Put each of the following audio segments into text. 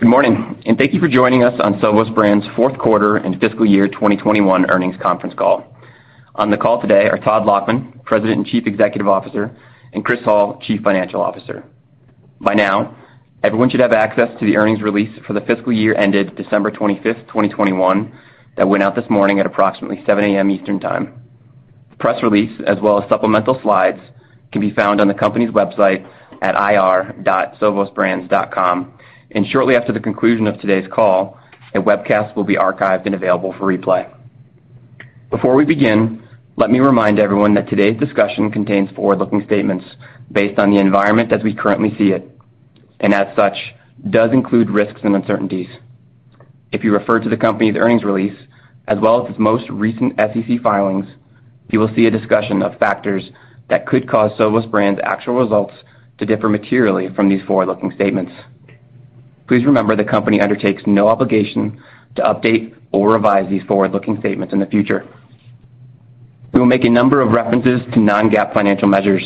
Good morning, and thank you for joining us on Sovos Brands' fourth quarter and fiscal year 2021 earnings conference call. On the call today are Todd Lachman, President and Chief Executive Officer, and Chris Hall, Chief Financial Officer. By now, everyone should have access to the earnings release for the fiscal year ended December 25, 2021 that went out this morning at approximately 7 A.M. Eastern Time. Press release as well as supplemental slides can be found on the company's website at ir.sovosbrands.com, and shortly after the conclusion of today's call, a webcast will be archived and available for replay. Before we begin, let me remind everyone that today's discussion contains forward-looking statements based on the environment as we currently see it, and as such, does include risks and uncertainties. If you refer to the company's earnings release as well as its most recent SEC filings, you will see a discussion of factors that could cause Sovos Brands' actual results to differ materially from these forward-looking statements. Please remember the company undertakes no obligation to update or revise these forward-looking statements in the future. We will make a number of references to non-GAAP financial measures.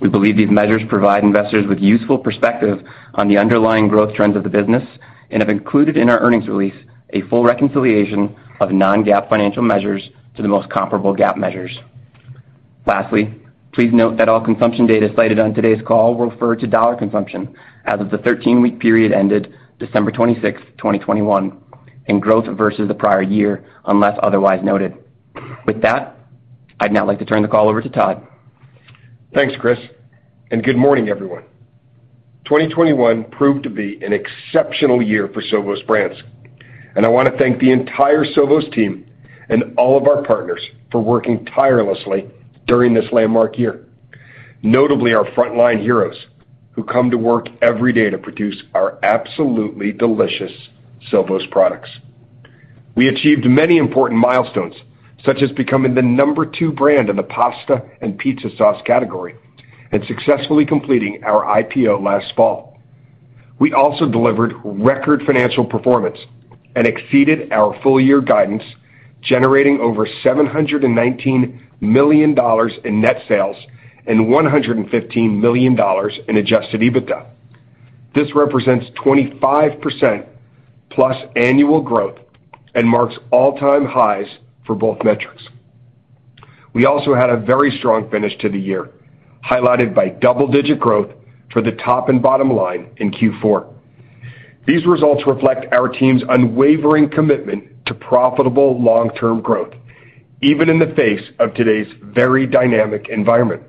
We believe these measures provide investors with useful perspective on the underlying growth trends of the business and have included in our earnings release a full reconciliation of non-GAAP financial measures to the most comparable GAAP measures. Lastly, please note that all consumption data cited on today's call will refer to dollar consumption as of the 13-week period ended December 26, 2021 and growth versus the prior year, unless otherwise noted. With that, I'd now like to turn the call over to Todd. Thanks, Chris, and good morning, everyone. 2021 proved to be an exceptional year for Sovos Brands, and I wanna thank the entire Sovos team and all of our partners for working tirelessly during this landmark year, notably our frontline heroes who come to work every day to produce our absolutely delicious Sovos products. We achieved many important milestones, such as becoming the number two brand in the pasta and pizza sauce category and successfully completing our IPO last fall. We also delivered record financial performance and exceeded our full year guidance, generating over $719 million in net sales and $115 million in adjusted EBITDA. This represents 25% plus annual growth and marks all-time highs for both metrics. We also had a very strong finish to the year, highlighted by double-digit growth for the top and bottom line in Q4. These results reflect our team's unwavering commitment to profitable long-term growth, even in the face of today's very dynamic environment.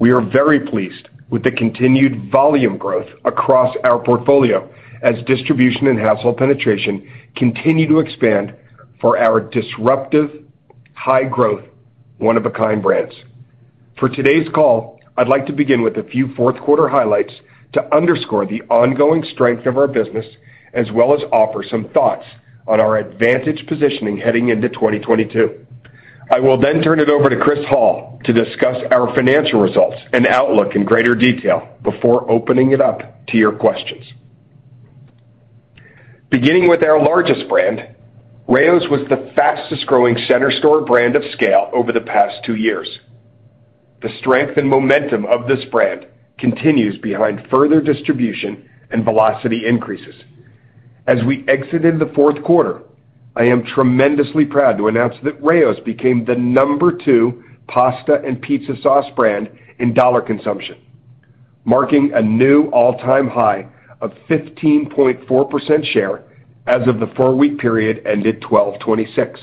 We are very pleased with the continued volume growth across our portfolio as distribution and household penetration continue to expand for our disruptive, high growth, one-of-a-kind brands. For today's call, I'd like to begin with a few fourth quarter highlights to underscore the ongoing strength of our business as well as offer some thoughts on our advantaged positioning heading into 2022. I will then turn it over to Chris Hall to discuss our financial results and outlook in greater detail before opening it up to your questions. Beginning with our largest brand, Rao's was the fastest growing center store brand of scale over the past two years. The strength and momentum of this brand continues behind further distribution and velocity increases. As we exited the fourth quarter, I am tremendously proud to announce that Rao's became the number two pasta and pizza sauce brand in dollar consumption, marking a new all-time high of 15.4% share as of the four-week period ended 12/26.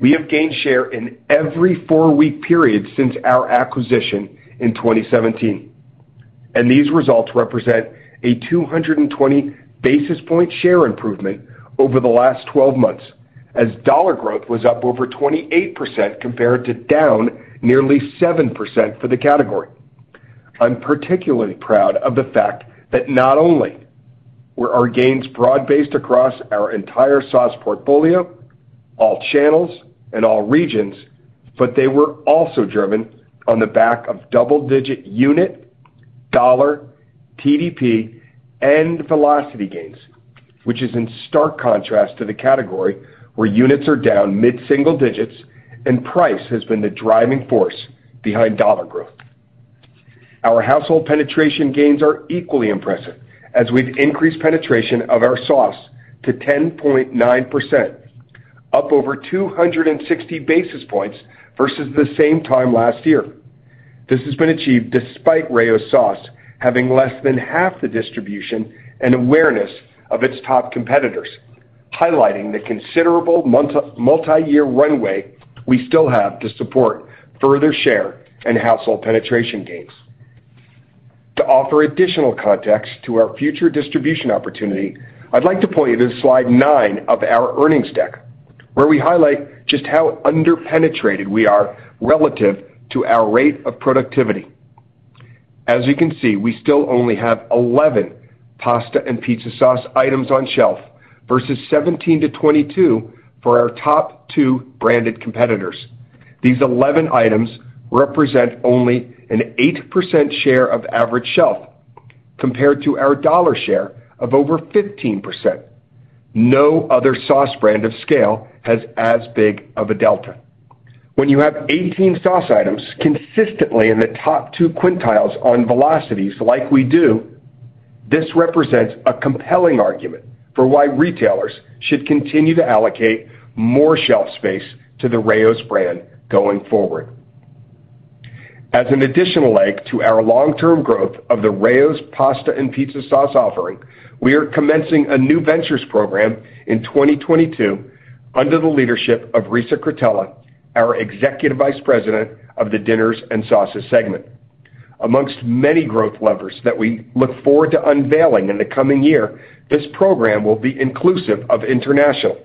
We have gained share in every four-week period since our acquisition in 2017, and these results represent a 220 basis point share improvement over the last 12 months as dollar growth was up over 28% compared to down nearly 7% for the category. I'm particularly proud of the fact that not only were our gains broad-based across our entire sauce portfolio, all channels, and all regions, but they were also driven on the back of double-digit unit, dollar, TDP, and velocity gains, which is in stark contrast to the category where units are down mid-single digits and price has been the driving force behind dollar growth. Our household penetration gains are equally impressive as we've increased penetration of our sauce to 10.9%, up over 260 basis points versus the same time last year. This has been achieved despite Rao's sauce having less than half the distribution and awareness of its top competitors, highlighting the considerable multi-year runway we still have to support further share and household penetration gains. To offer additional context to our future distribution opportunity, I'd like to point you to slide nine of our earnings deck, where we highlight just how under-penetrated we are relative to our rate of productivity. As you can see, we still only have 11 pasta and pizza sauce items on shelf versus 17-22 for our top two branded competitors. These 11 items represent only an 8% share of average shelf compared to our dollar share of over 15%. No other sauce brand of scale has as big of a delta. When you have 18 sauce items consistently in the top two quintiles on velocities like we do, this represents a compelling argument for why retailers should continue to allocate more shelf space to the Rao's brand going forward. As an additional leg to our long-term growth of the Rao's pasta and pizza sauce offering, we are commencing a new ventures program in 2022 under the leadership of Risa Cretella, our Executive Vice President of the Dinner & Sauces segment. Among many growth levers that we look forward to unveiling in the coming year, this program will be inclusive of international,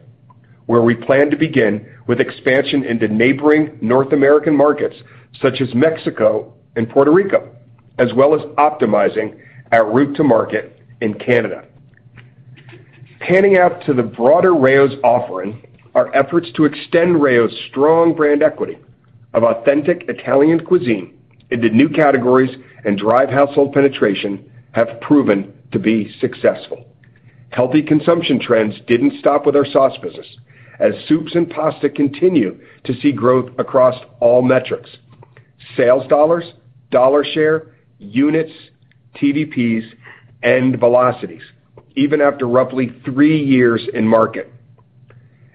where we plan to begin with expansion into neighboring North American markets such as Mexico and Puerto Rico, as well as optimizing our route to market in Canada. Panning out to the broader Rao's offering, our efforts to extend Rao's strong brand equity of authentic Italian cuisine into new categories and drive household penetration have proven to be successful. Healthy consumption trends didn't stop with our sauce business as soups and pasta continue to see growth across all metrics, sales dollars, dollar share, units, TDPs, and velocities even after roughly three years in market.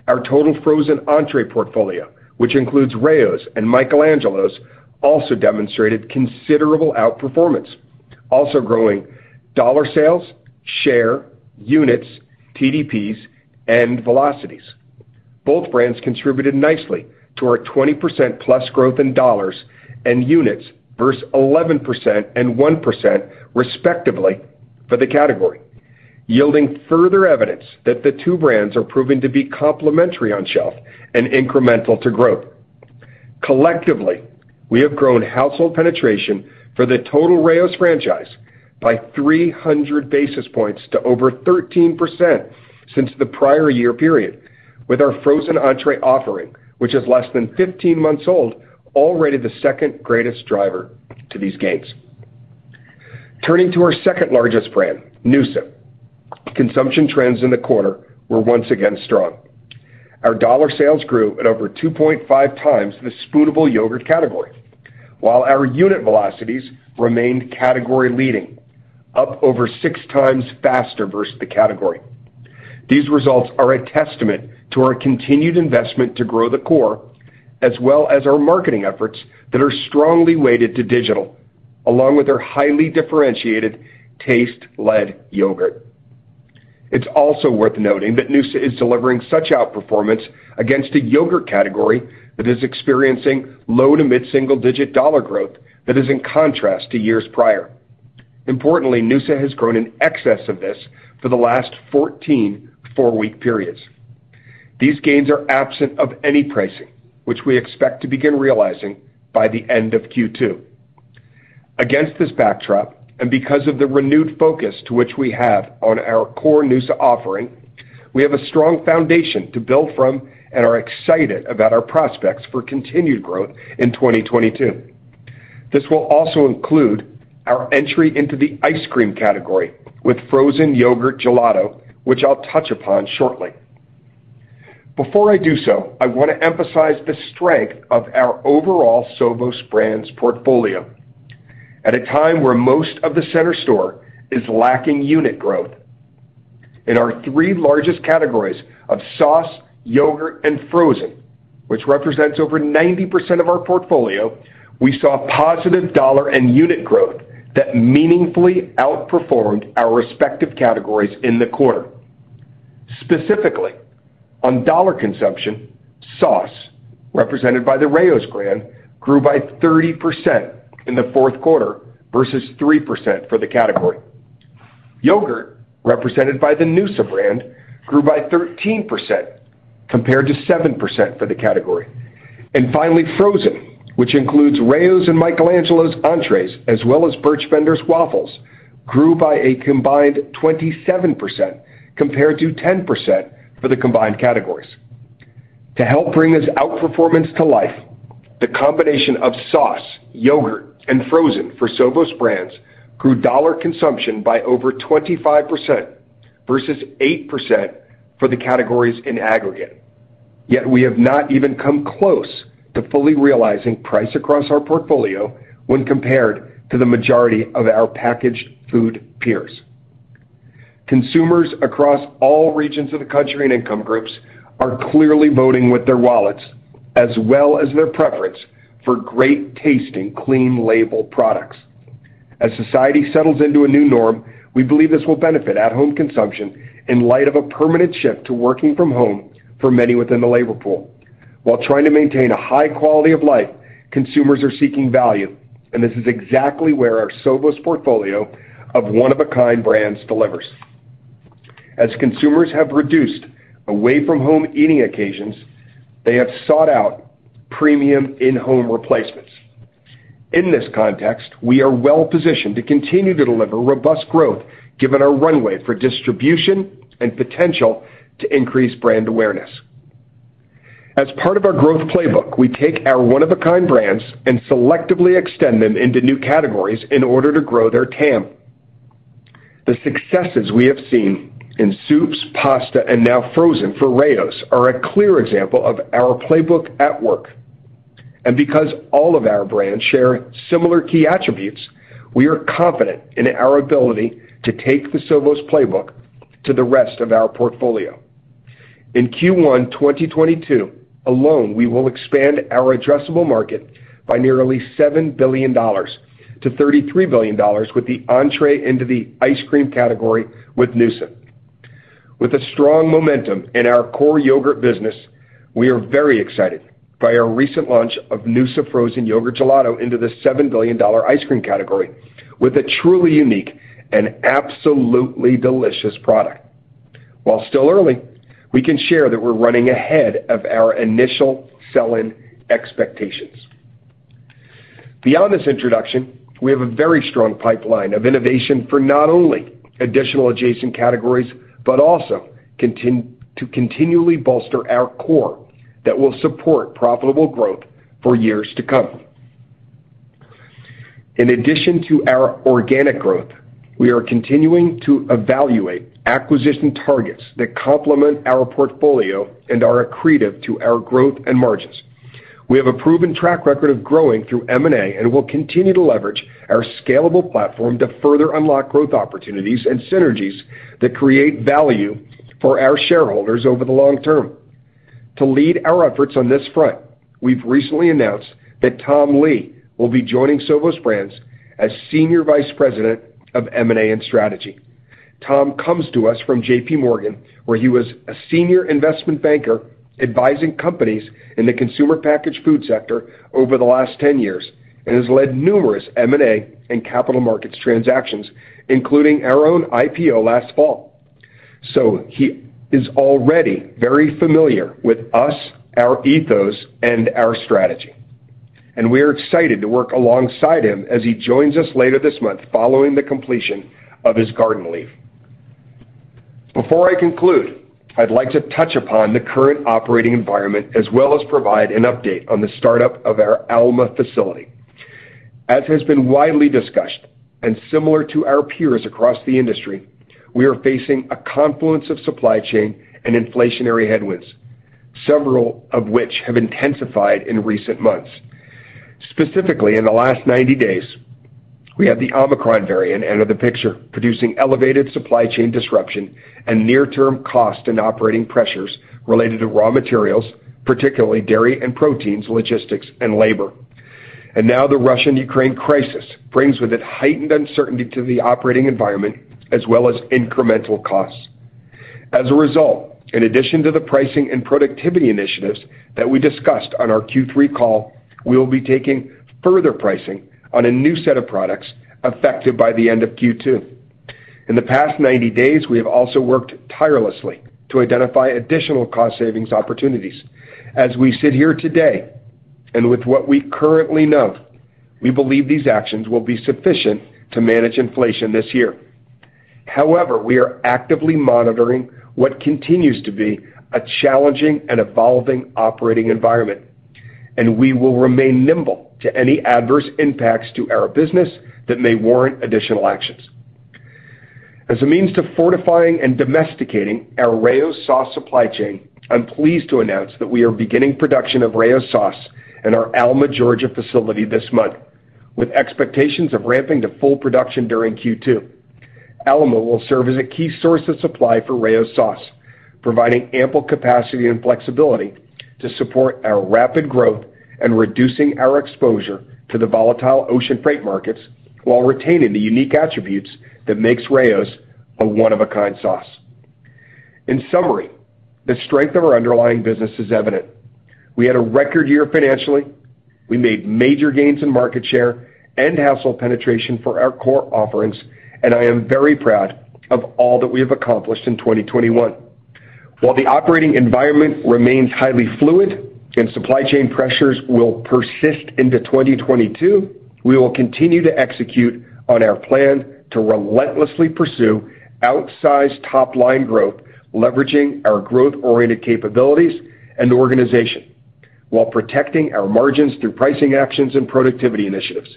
Our total frozen entrée portfolio, which includes Rao's and Michael Angelo's, also demonstrated considerable outperformance, also growing dollar sales, share, units, TDPs, and velocities. Both brands contributed nicely to our 20%+ growth in dollars and units versus 11% and 1% respectively for the category, yielding further evidence that the two brands are proven to be complementary on shelf and incremental to growth. Collectively, we have grown household penetration for the total Rao's franchise by 300 basis points to over 13% since the prior year period with our frozen entrée offering, which is less than 15 months old, already the second greatest driver to these gains. sTurning to our second-largest brand, noosa. Consumption trends in the quarter were once again strong. Our dollar sales grew at over 2.5x the spoonable yogurt category, while our unit velocities remained category-leading, up over six times faster versus the category. These results are a testament to our continued investment to grow the core, as well as our marketing efforts that are strongly weighted to digital, along with our highly differentiated taste-led yogurt. It's also worth noting that noosa is delivering such outperformance against a yogurt category that is experiencing low to mid-single-digit dollar growth that is in contrast to years prior. Importantly, noosa has grown in excess of this for the last 14 four-week periods. These gains are absent of any pricing, which we expect to begin realizing by the end of Q2. Against this backdrop, and because of the renewed focus to which we have on our core noosa offering, we have a strong foundation to build from and are excited about our prospects for continued growth in 2022. This will also include our entry into the ice cream category with frozen yogurt gelato, which I'll touch upon shortly. Before I do so, I want to emphasize the strength of our overall Sovos Brands portfolio at a time where most of the center store is lacking unit growth. In our three largest categories of sauce, yogurt, and frozen, which represents over 90% of our portfolio, we saw positive dollar and unit growth that meaningfully outperformed our respective categories in the quarter. Specifically, on dollar consumption, sauce, represented by the Rao's brand, grew by 30% in the fourth quarter versus 3% for the category. Yogurt, represented by the noosa brand, grew by 13% compared to 7% for the category. Finally, frozen, which includes Rao's and Michael Angelo's entrées, as well as Birch Benders waffles, grew by a combined 27% compared to 10% for the combined categories. To help bring this outperformance to life, the combination of sauce, yogurt, and frozen for Sovos Brands grew dollar consumption by over 25% versus 8% for the categories in aggregate. Yet we have not even come close to fully realizing price across our portfolio when compared to the majority of our packaged food peers. Consumers across all regions of the country and income groups are clearly voting with their wallets as well as their preference for great-tasting, clean-label products. As society settles into a new norm, we believe this will benefit at-home consumption in light of a permanent shift to working from home for many within the labor pool. While trying to maintain a high quality of life, consumers are seeking value, and this is exactly where our Sovos portfolio of one-of-a-kind brands delivers. As consumers have reduced away-from-home eating occasions, they have sought out premium in-home replacements. In this context, we are well-positioned to continue to deliver robust growth given our runway for distribution and potential to increase brand awareness. As part of our growth playbook, we take our one-of-a-kind brands and selectively extend them into new categories in order to grow their TAM. The successes we have seen in soups, pasta, and now frozen for Rao's are a clear example of our playbook at work. Because all of our brands share similar key attributes, we are confident in our ability to take the Sovos playbook to the rest of our portfolio. In Q1 2022 alone, we will expand our addressable market by nearly $7 billion to $33 billion with the entry into the ice cream category with noosa. With a strong momentum in our core yogurt business, we are very excited by our recent launch of noosa frozen yoghurt gelato into the $7 billion ice cream category with a truly unique and absolutely delicious product. While still early, we can share that we're running ahead of our initial sell-in expectations. Beyond this introduction, we have a very strong pipeline of innovation for not only additional adjacent categories, but also to continually bolster our core that will support profitable growth for years to come. In addition to our organic growth, we are continuing to evaluate acquisition targets that complement our portfolio and are accretive to our growth and margins. We have a proven track record of growing through M&A, and we'll continue to leverage our scalable platform to further unlock growth opportunities and synergies that create value for our shareholders over the long term. To lead our efforts on this front, we've recently announced that Tom Lee will be joining Sovos Brands as Senior Vice President of M&A and Strategy. Tom comes to us from J.P. Morgan, where he was a senior investment banker advising companies in the consumer packaged food sector over the last 10 years and has led numerous M&A and capital markets transactions, including our own IPO last fall. He is already very familiar with us, our ethos, and our strategy, and we are excited to work alongside him as he joins us later this month following the completion of his garden leave. Before I conclude, I'd like to touch upon the current operating environment as well as provide an update on the startup of our Alma facility. As has been widely discussed, and similar to our peers across the industry, we are facing a confluence of supply chain and inflationary headwinds, several of which have intensified in recent months. Specifically, in the last 90 days, we had the Omicron variant enter the picture, producing elevated supply chain disruption and near-term cost and operating pressures related to raw materials, particularly dairy and proteins, logistics, and labor. Now the Russia-Ukraine crisis brings with it heightened uncertainty to the operating environment as well as incremental costs. As a result, in addition to the pricing and productivity initiatives that we discussed on our Q3 call, we will be taking further pricing on a new set of products affected by the end of Q2. In the past 90 days, we have also worked tirelessly to identify additional cost savings opportunities. As we sit here today, and with what we currently know, we believe these actions will be sufficient to manage inflation this year. However, we are actively monitoring what continues to be a challenging and evolving operating environment, and we will remain nimble to any adverse impacts to our business that may warrant additional actions. As a means to fortifying and domesticating our Rao's sauce supply chain, I'm pleased to announce that we are beginning production of Rao's sauce in our Alma, Georgia facility this month, with expectations of ramping to full production during Q2. Alma will serve as a key source of supply for Rao's sauce, providing ample capacity and flexibility to support our rapid growth and reducing our exposure to the volatile ocean freight markets while retaining the unique attributes that makes Rao's a one-of-a-kind sauce. In summary, the strength of our underlying business is evident. We had a record year financially. We made major gains in market share and household penetration for our core offerings, and I am very proud of all that we have accomplished in 2021. While the operating environment remains highly fluid and supply chain pressures will persist into 2022, we will continue to execute on our plan to relentlessly pursue outsized top-line growth, leveraging our growth-oriented capabilities and organization while protecting our margins through pricing actions and productivity initiatives.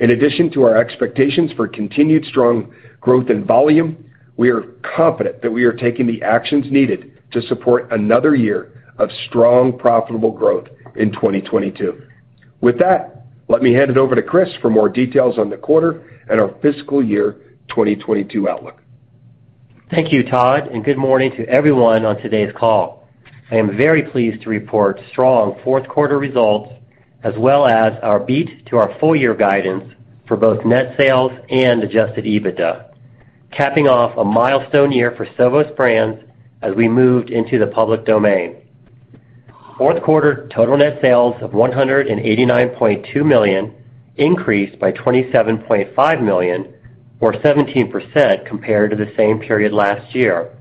In addition to our expectations for continued strong growth in volume, we are confident that we are taking the actions needed to support another year of strong, profitable growth in 2022. With that, let me hand it over to Chris for more details on the quarter and our fiscal year 2022 outlook. Thank you, Todd, and good morning to everyone on today's call. I am very pleased to report strong fourth quarter results as well as our beat to our full year guidance for both net sales and Adjusted EBITDA, capping off a milestone year for Sovos Brands as we moved into the public domain. Fourth quarter total net sales of $189.2 million increased by $27.5 million or 17% compared to the same period last year,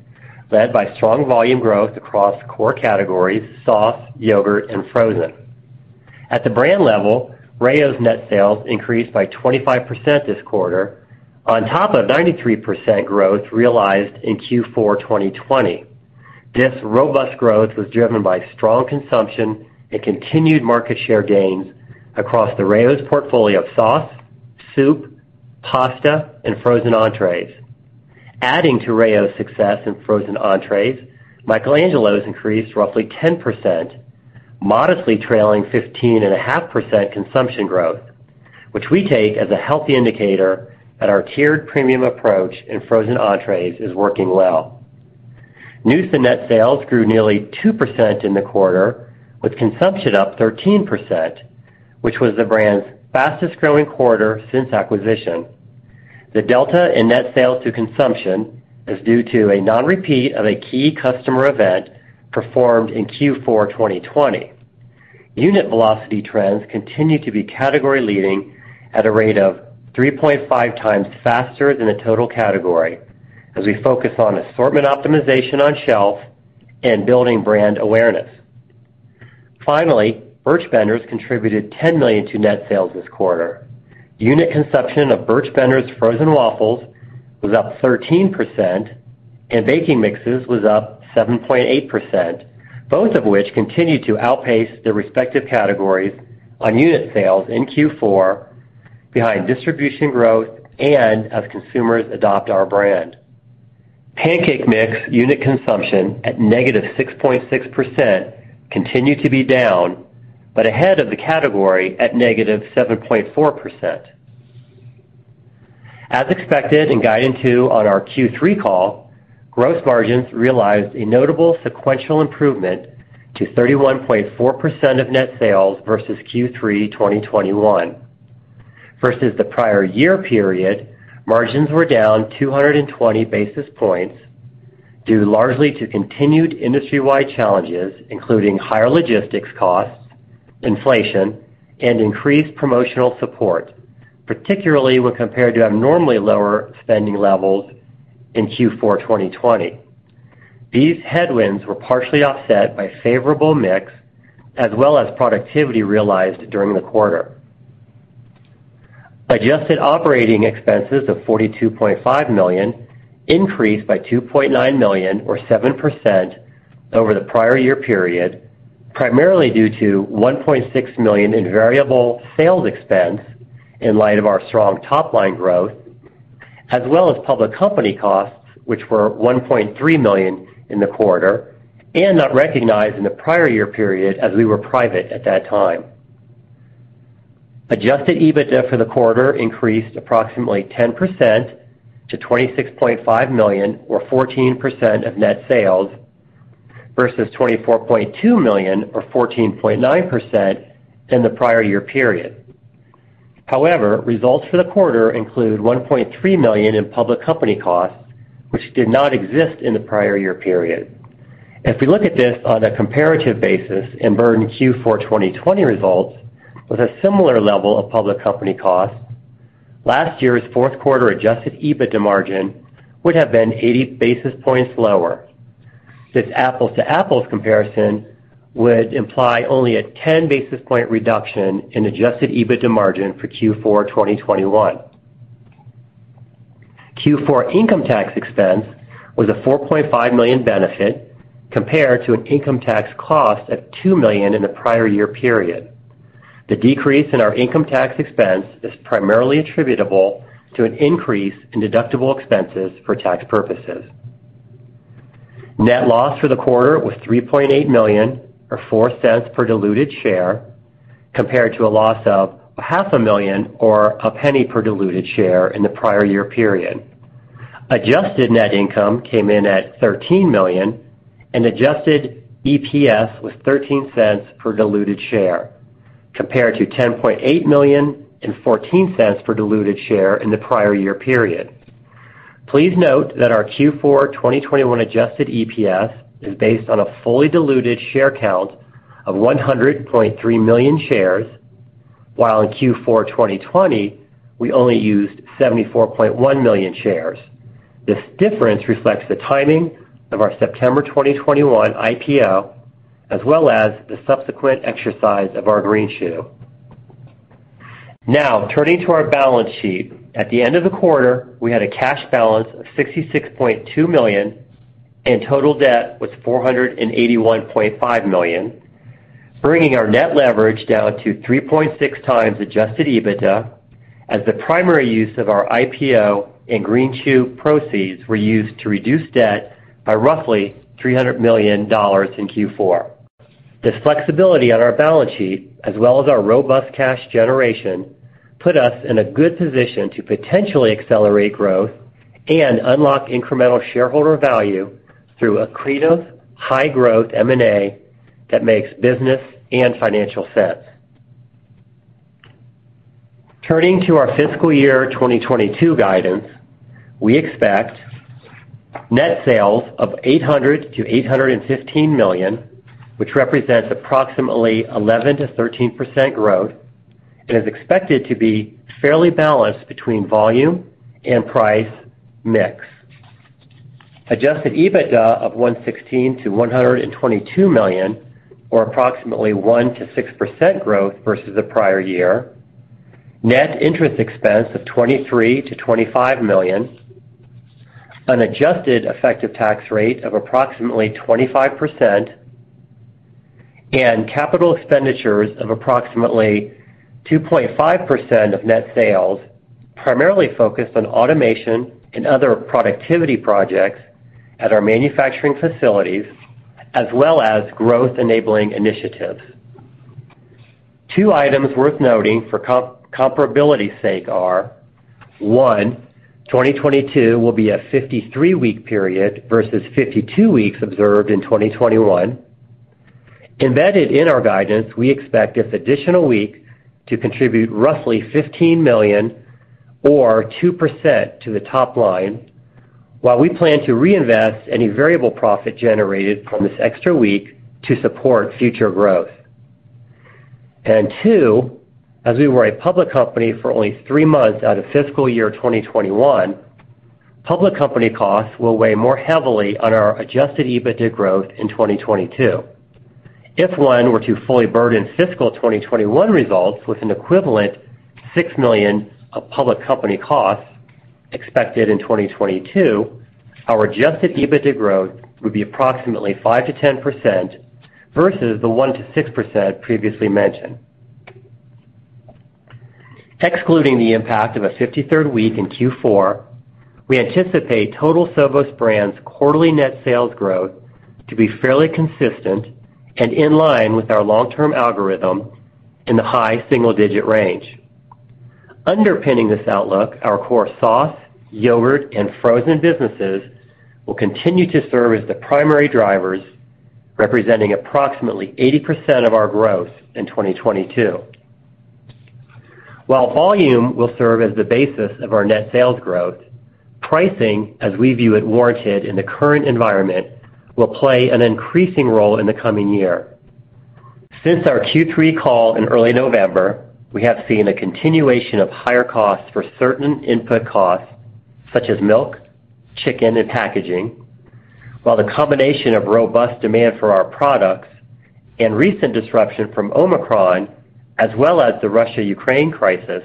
led by strong volume growth across core categories sauce, yogurt, and frozen. At the brand level, Rao's net sales increased by 25% this quarter on top of 93% growth realized in Q4 2020. This robust growth was driven by strong consumption and continued market share gains across the Rao's portfolio of sauce, soup, pasta, and frozen entrees. Adding to Rao's success in frozen entrees, Michael Angelo's increased roughly 10%, modestly trailing 15.5% consumption growth, which we take as a healthy indicator that our tiered premium approach in frozen entrees is working well. Noosa net sales grew nearly 2% in the quarter, with consumption up 13%, which was the brand's fastest-growing quarter since acquisition. The delta in net sales to consumption is due to a non-repeat of a key customer event performed in Q4 2020. Unit velocity trends continue to be category leading at a rate of 3.5x faster than the total category as we focus on assortment optimization on shelf and building brand awareness. Finally, Birch Benders contributed $10 million to net sales this quarter. Unit consumption of Birch Benders frozen waffles was up 13% and baking mixes was up 7.8%, both of which continued to outpace their respective categories on unit sales in Q4 behind distribution growth and as consumers adopt our brand. Pancake mix unit consumption at -6.6% continued to be down, but ahead of the category at -7.4%. As expected and guided to on our Q3 call, gross margins realized a notable sequential improvement to 31.4% of net sales versus Q3 2021. Versus the prior year period, margins were down 220 basis points due largely to continued industry-wide challenges, including higher logistics costs, inflation, and increased promotional support, particularly when compared to abnormally lower spending levels in Q4 2020. These headwinds were partially offset by favorable mix as well as productivity realized during the quarter. Adjusted operating expenses of $42.5 million increased by $2.9 million or 7% over the prior year period, primarily due to $1.6 million in variable sales expense in light of our strong top-line growth, as well as public company costs, which were $1.3 million in the quarter and not recognized in the prior year period as we were private at that time. Adjusted EBITDA for the quarter increased approximately 10% to $26.5 million or 14% of net sales versus $24.2 million or 14.9% in the prior year period. However, results for the quarter include $1.3 million in public company costs which did not exist in the prior year period. If we look at this on a comparative basis versus Q4 2020 results with a similar level of public company costs, last year's fourth quarter adjusted EBITDA margin would have been 80 basis points lower. This apples-to-apples comparison would imply only a 10 basis point reduction in adjusted EBITDA margin for Q4 2021. Q4 income tax expense was a $4.5 million benefit compared to an income tax cost of $2 million in the prior year period. The decrease in our income tax expense is primarily attributable to an increase in deductible expenses for tax purposes. Net loss for the quarter was $3.8 million or $0.04 per diluted share compared to a loss of half a million or $0.01 per diluted share in the prior year period. Adjusted net income came in at $13 million and adjusted EPS was $0.13 per diluted share compared to $10.8 million and $0.14 per diluted share in the prior year period. Please note that our Q4 2021 adjusted EPS is based on a fully diluted share count of 100.3 million shares, while in Q4 2020, we only used 74.1 million shares. This difference reflects the timing of our September 2021 IPO as well as the subsequent exercise of our greenshoe. Now, turning to our balance sheet. At the end of the quarter, we had a cash balance of $66.2 million and total debt was $481.5 million, bringing our net leverage down to 3.6x Adjusted EBITDA as the primary use of our IPO and greenshoe proceeds were used to reduce debt by roughly $300 million in Q4. This flexibility on our balance sheet as well as our robust cash generation put us in a good position to potentially accelerate growth and unlock incremental shareholder value through accretive, high-growth M&A that makes business and financial sense. Turning to our fiscal year 2022 guidance, we expect net sales of $800 million-$815 million, which represents approximately 11%-13% growth and is expected to be fairly balanced between volume and price mix. Adjusted EBITDA of $116 million-$122 million or approximately 1%-6% growth versus the prior year. Net interest expense of $23 million-$25 million, an adjusted effective tax rate of approximately 25%, and capital expenditures of approximately 2.5% of net sales, primarily focused on automation and other productivity projects at our manufacturing facilities, as well as growth-enabling initiatives. Two items worth noting for comparability sake are, one, 2022 will be a 53-week period versus 52 weeks observed in 2021. Embedded in our guidance, we expect this additional week to contribute roughly $15 million or 2% to the top line, while we plan to reinvest any variable profit generated from this extra week to support future growth. Two, as we were a public company for only three months out of fiscal year 2021, public company costs will weigh more heavily on our adjusted EBITDA growth in 2022. If one were to fully burden fiscal 2021 results with an equivalent $6 million of public company costs expected in 2022, our adjusted EBITDA growth would be approximately 5%-10% versus the 1%-6% previously mentioned. Excluding the impact of a 53rd week in Q4, we anticipate total Sovos Brands quarterly net sales growth to be fairly consistent and in line with our long-term algorithm in the high single-digit range. Underpinning this outlook, our core sauce, yogurt, and frozen businesses will continue to serve as the primary drivers, representing approximately 80% of our growth in 2022. While volume will serve as the basis of our net sales growth, pricing, as we view it warranted in the current environment, will play an increasing role in the coming year. Since our Q3 call in early November, we have seen a continuation of higher costs for certain input costs, such as milk, chicken, and packaging, while the combination of robust demand for our products and recent disruption from Omicron, as well as the Russia-Ukraine crisis,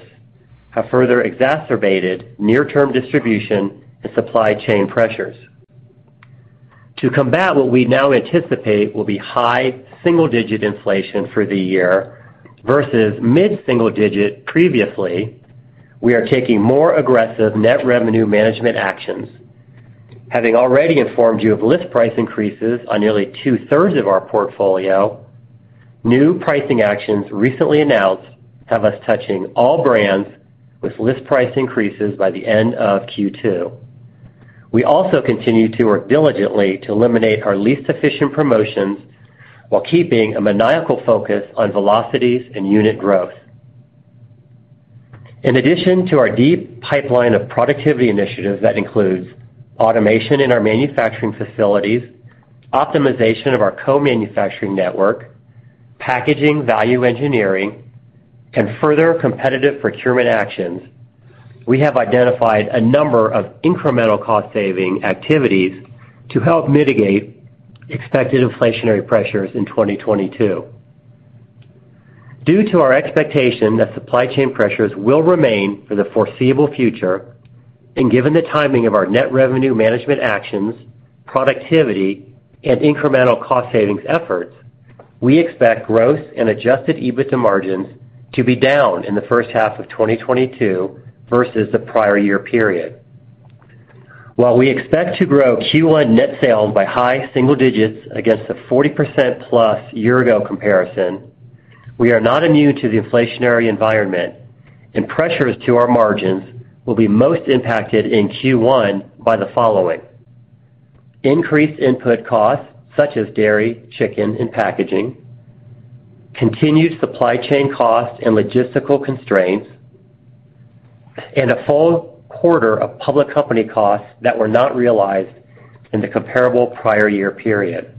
have further exacerbated near-term distribution and supply chain pressures. To combat what we now anticipate will be high single-digit inflation for the year versus mid-single digit previously, we are taking more aggressive net revenue management actions. Having already informed you of list price increases on nearly two-thirds of our portfolio, new pricing actions recently announced have us touching all brands with list price increases by the end of Q2. We also continue to work diligently to eliminate our least efficient promotions while keeping a maniacal focus on velocities and unit growth. In addition to our deep pipeline of productivity initiatives that includes automation in our manufacturing facilities, optimization of our co-manufacturing network, packaging value engineering, and further competitive procurement actions, we have identified a number of incremental cost-saving activities to help mitigate expected inflationary pressures in 2022. Due to our expectation that supply chain pressures will remain for the foreseeable future, and given the timing of our net revenue management actions, productivity, and incremental cost savings efforts, we expect growth and adjusted EBITDA margins to be down in the first half of 2022 versus the prior year period. While we expect to grow Q1 net sales by high single digits against the 40%+ year-ago comparison, we are not immune to the inflationary environment, and pressures to our margins will be most impacted in Q1 by the following. Increased input costs, such as dairy, chicken, and packaging, continued supply chain costs and logistical constraints, and a full quarter of public company costs that were not realized in the comparable prior year period.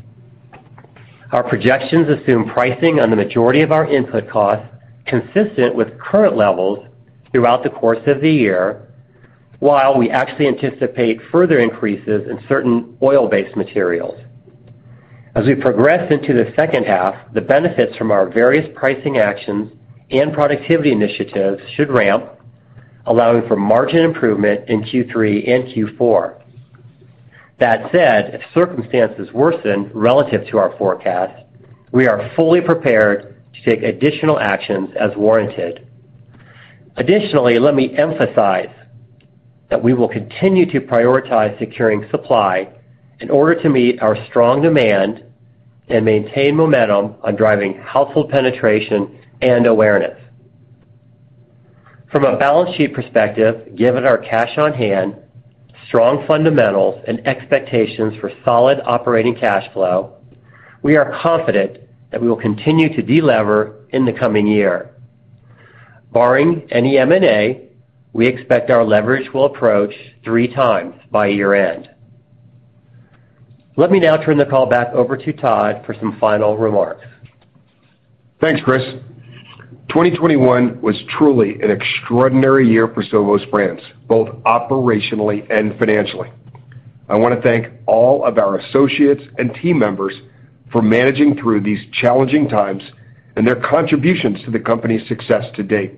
Our projections assume pricing on the majority of our input costs consistent with current levels throughout the course of the year, while we actually anticipate further increases in certain oil-based materials. As we progress into the second half, the benefits from our various pricing actions and productivity initiatives should ramp, allowing for margin improvement in Q3 and Q4. That said, if circumstances worsen relative to our forecast, we are fully prepared to take additional actions as warranted. Additionally, let me emphasize that we will continue to prioritize securing supply in order to meet our strong demand and maintain momentum on driving household penetration and awareness. From a balance sheet perspective, given our cash on hand, strong fundamentals, and expectations for solid operating cash flow, we are confident that we will continue to delever in the coming year. Barring any M&A, we expect our leverage will approach three times by year-end. Let me now turn the call back over to Todd for some final remarks. Thanks, Chris. 2021 was truly an extraordinary year for Sovos Brands, both operationally and financially. I wanna thank all of our associates and team members for managing through these challenging times and their contributions to the company's success to date.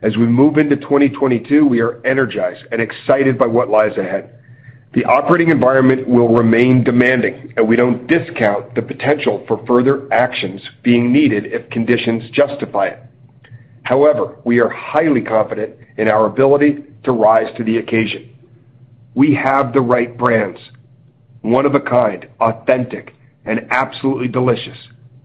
As we move into 2022, we are energized and excited by what lies ahead. The operating environment will remain demanding, and we don't discount the potential for further actions being needed if conditions justify it. However, we are highly confident in our ability to rise to the occasion. We have the right brands, one of a kind, authentic, and absolutely delicious,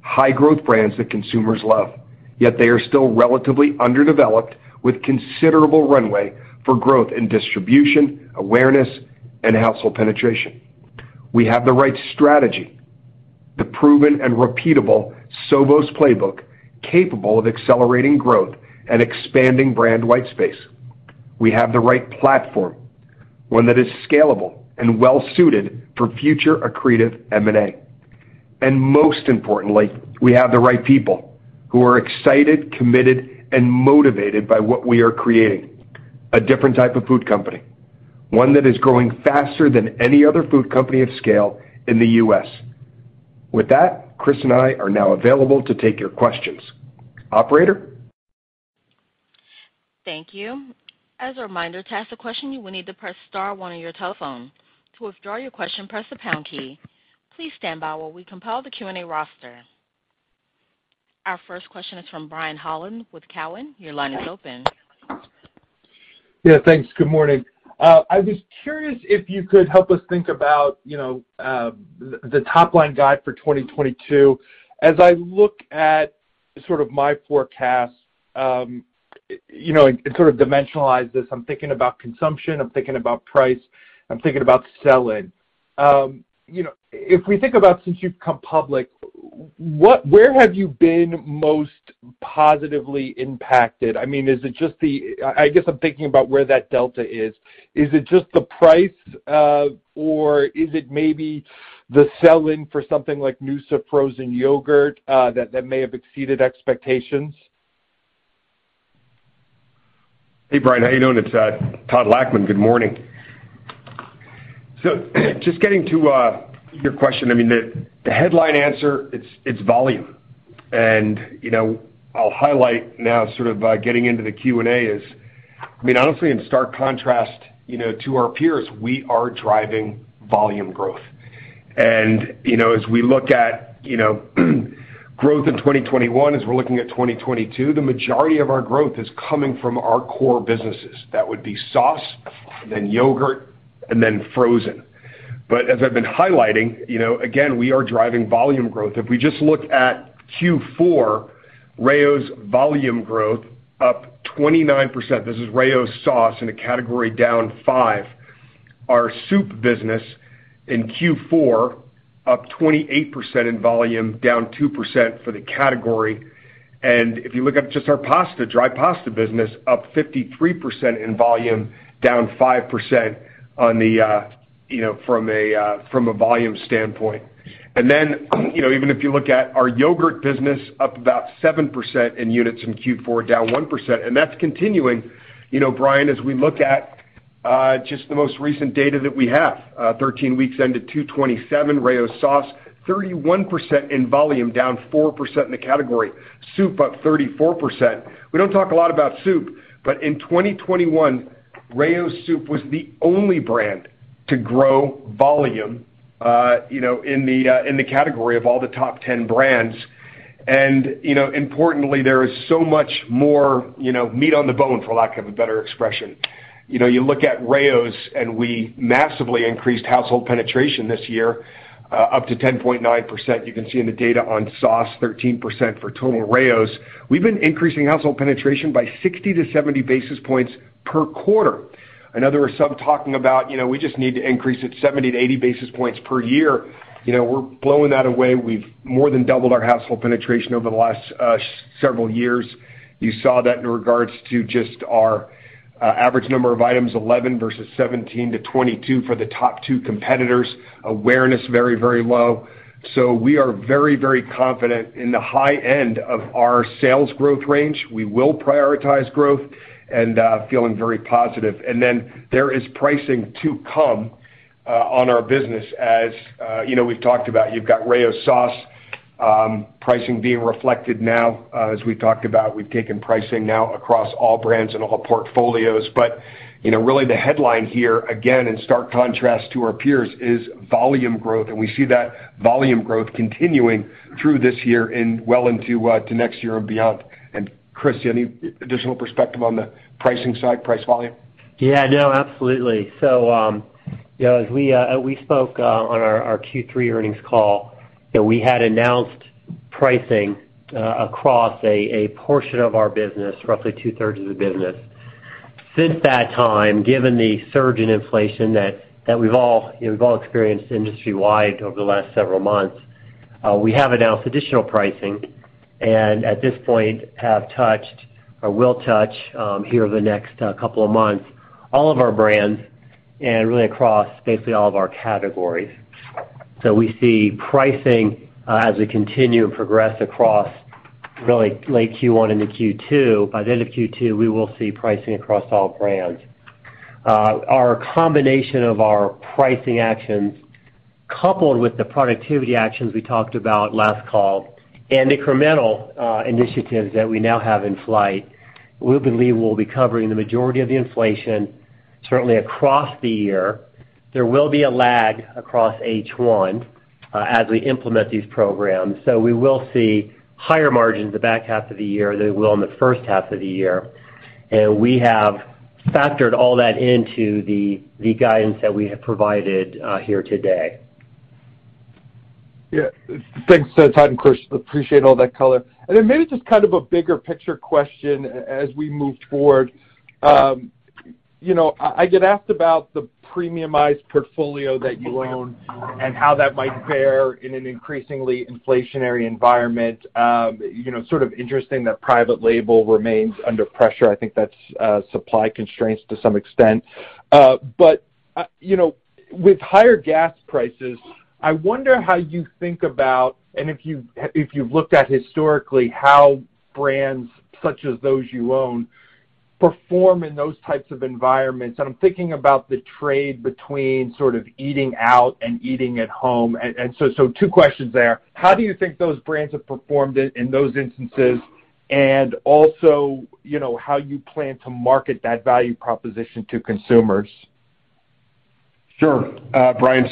high-growth brands that consumers love. Yet they are still relatively underdeveloped with considerable runway for growth and distribution, awareness, and household penetration. We have the right strategy, the proven and repeatable Sovos's playbook, capable of accelerating growth and expanding brand white space. We have the right platform, one that is scalable and well suited for future accretive M&A. Most importantly, we have the right people who are excited, committed, and motivated by what we are creating, a different type of food company, one that is growing faster than any other food company of scale in the U.S. With that, Chris and I are now available to take your questions. Operator? Thank you. As a reminder, to ask a question, you will need to press star one on your telephone. To withdraw your question, press the pound key. Please stand by while we compile the Q&A roster. Our first question is from Brian Holland with Cowen. Your line is open. Yeah, thanks. Good morning. I was curious if you could help us think about, you know, the top line guide for 2022. As I look at sort of my forecast and sort of dimensionalize this, I'm thinking about consumption, I'm thinking about price, I'm thinking about selling. If we think about since you've come public, where have you been most positively impacted? I mean, is it just the, I guess, I'm thinking about where that delta is. Is it just the price, or is it maybe the sell-in for something like noosa frozen yogurt that may have exceeded expectations? Hey, Brian. How you doing? It's Todd Lachman. Good morning. Just getting to your question, I mean, the headline answer, it's volume. You know, I'll highlight now sort of by getting into the Q&A is, I mean, honestly, in stark contrast, you know, to our peers, we are driving volume growth. You know, as we look at, you know, growth in 2021, as we're looking at 2022, the majority of our growth is coming from our core businesses. That would be sauce, then yogurt, and then frozen. As I've been highlighting, you know, again, we are driving volume growth. If we just look at Q4, Rao's volume growth up 29%. This is Rao's sauce in a category down 5%. Our soup business in Q4 up 28% in volume, down 2% for the category. If you look up just our pasta, dry pasta business up 53% in volume, down 5% on the, you know, from a volume standpoint. Even if you look at our yogurt business up about 7% in units in Q4, down 1%. That's continuing, you know, Brian, as we look at just the most recent data that we have, 13 weeks ended 2/27, Rao's sauce 31% in volume, down 4% in the category. Soup up 34%. We don't talk a lot about soup, but in 2021, Rao's Soup was the only brand to grow volume, you know, in the category of all the top 10 brands. Importantly, there is so much more, you know, meat on the bone, for lack of a better expression. You know, you look at Rao's and we massively increased household penetration this year, up to 10.9%. You can see in the data on sauce, 13% for total Rao's. We've been increasing household penetration by 60-70 basis points per quarter. I know there are some talking about, you know, we just need to increase it 70-80 basis points per year. You know, we're blowing that away. We've more than doubled our household penetration over the last several years. You saw that in regards to just our average number of items, 11 versus 17-22 for the top two competitors. Awareness, very, very low. We are very, very confident in the high end of our sales growth range. We will prioritize growth and feeling very positive. There is pricing to come on our business as you know we've talked about. You've got Rao's sauce pricing being reflected now. As we've talked about, we've taken pricing now across all brands and all portfolios. You know, really the headline here, again, in stark contrast to our peers, is volume growth. We see that volume growth continuing through this year and well into next year and beyond. Chris, any additional perspective on the pricing side, price volume? Yeah, no, absolutely. You know, as we spoke on our Q3 earnings call that we had announced pricing across a portion of our business, roughly two-thirds of the business. Since that time, given the surge in inflation that we've all experienced industry-wide over the last several months, we have announced additional pricing, and at this point have touched or will touch here over the next couple of months, all of our brands and really across basically all of our categories. We see pricing as we continue to progress across really late Q1 into Q2. By the end of Q2, we will see pricing across all brands. Our combination of our pricing actions coupled with the productivity actions we talked about last call and incremental initiatives that we now have in flight, we believe we'll be covering the majority of the inflation certainly across the year. There will be a lag across H1 as we implement these programs. We will see higher margins the back half of the year than we will in the first half of the year. We have factored all that into the guidance that we have provided here today. Yeah. Thanks, Todd and Chris, appreciate all that color. Maybe just kind of a bigger picture question as we move forward. You know, I get asked about the premiumized portfolio that you own and how that might fare in an increasingly inflationary environment. You know, sort of interesting that private label remains under pressure. I think that's supply constraints to some extent. You know, with higher gas prices, I wonder how you think about, and if you've looked at historically, how brands such as those you own perform in those types of environments. I'm thinking about the trade between sort of eating out and eating at home. Two questions there. How do you think those brands have performed in those instances, and also, you know, how you plan to market that value proposition to consumers? Sure, Brian.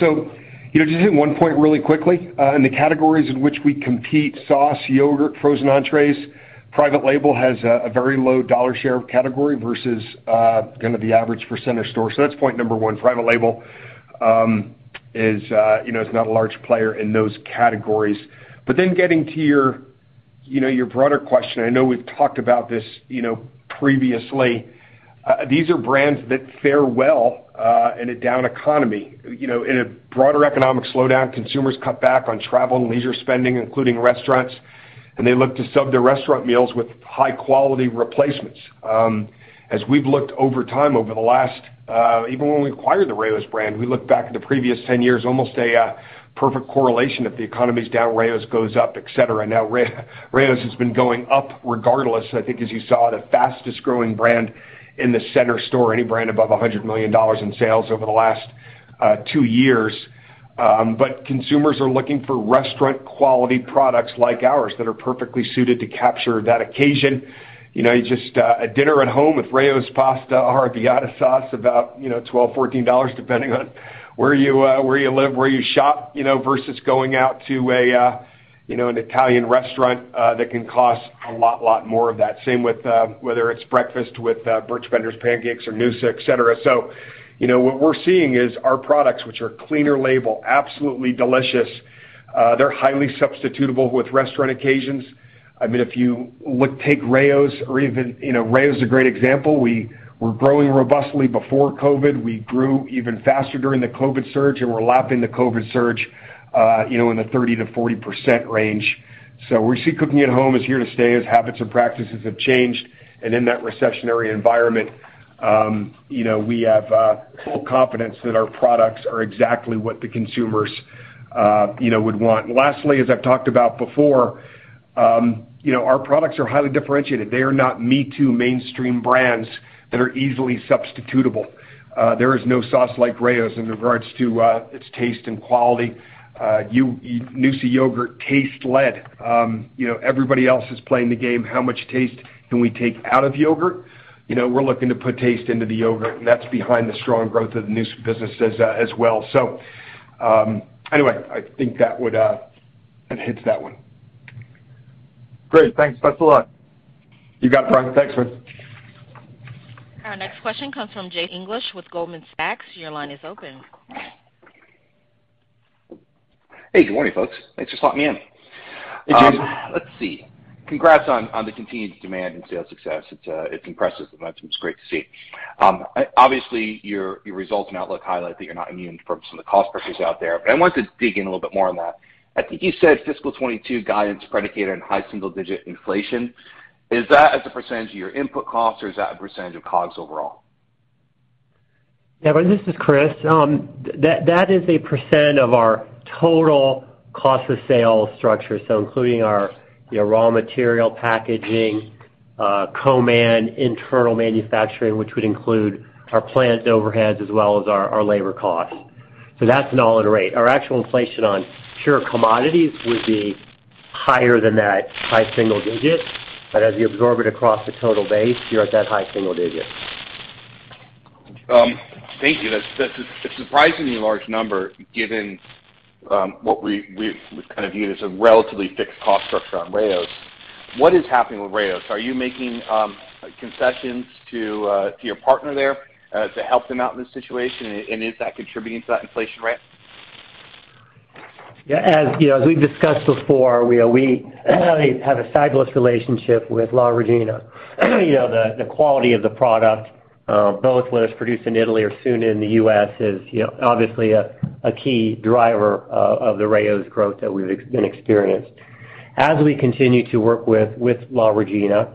You know, just hit one point really quickly. In the categories in which we compete, sauce, yogurt, frozen entrees, private label has a very low dollar share of category versus kind of the average for center store. That's point number one. Private label is, you know, not a large player in those categories. Then getting to your broader question, I know we've talked about this, you know, previously. These are brands that fare well in a down economy. You know, in a broader economic slowdown, consumers cut back on travel and leisure spending, including restaurants, and they look to sub their restaurant meals with high quality replacements. As we've looked over time over the last, even when we acquired the Rao's brand, we looked back at the previous 10 years, almost a perfect correlation of the economy's down, Rao's goes up, et cetera. Now, Rao's has been going up regardless. I think as you saw the fastest growing brand in the center store, any brand above $100 million in sales over the last two years. Consumers are looking for restaurant quality products like ours that are perfectly suited to capture that occasion. You know, you just a dinner at home with Rao's pasta, our Arrabbiata sauce, about, you know, $12-$14, depending on where you live, where you shop, you know, versus going out to a you know, an Italian restaurant that can cost a lot more of that. Same with whether it's breakfast with Birch Benders pancakes or noosa, et cetera. You know, what we're seeing is our products, which are clean label, absolutely delicious, they're highly substitutable with restaurant occasions. I mean, if you look, take Rao's or even, you know, Rao's a great example. We were growing robustly before COVID. We grew even faster during the COVID surge, and we're lapping the COVID surge, you know, in the 30%-40% range. We see cooking at home is here to stay as habits and practices have changed. In that recessionary environment, you know, we have full confidence that our products are exactly what the consumers, you know, would want. Lastly, as I've talked about before, you know, our products are highly differentiated. They are not me-too mainstream brands that are easily substitutable. There is no sauce like Rao's in regards to its taste and quality. Noosa yogurt, taste-led. You know, everybody else is playing the game how much taste can we take out of yogurt? You know, we're looking to put taste into the yogurt, and that's behind the strong growth of the noosa businesses, as well. Anyway, I think that hits that one. Great. Thanks a lot. You got it, Brian. Thanks. Our next question comes from Jason English with Goldman Sachs. Your line is open. Hey, good morning, folks. Thanks for slotting me in. Hey, Jay. Let's see. Congrats on the continued demand and sales success. It's impressive and it's great to see. Obviously, your results and outlook highlight that you're not immune from some of the cost pressures out there, but I wanted to dig in a little bit more on that. I think you said fiscal 2022 guidance predicated on high single digit inflation. Is that as a percentage of your input cost, or is that a percentage of COGS overall? Yeah, Brian, this is Chris. That is a percent of our total cost of sales structure, so including our, you know, raw material, packaging, and internal manufacturing, which would include our plant overheads as well as our labor costs. That's an all-in rate. Our actual inflation on pure commodities would be higher than that high single-digit. As you absorb it across the total base, you're at that high single-digit. Thank you. That's a surprisingly large number given what we kind of view as a relatively fixed cost structure on Rao's. What is happening with Rao's? Are you making concessions to your partner there to help them out in this situation, and is that contributing to that inflation rate? Yeah, as you know, as we've discussed before, we have a asset-light relationship with La Regina. You know, the quality of the product, both whether it's produced in Italy or soon in the U.S. is, you know, obviously a key driver of the Rao's growth that we've been experiencing. We continue to work with La Regina,